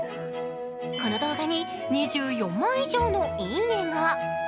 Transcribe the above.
この動画に２４万以上のいいねが。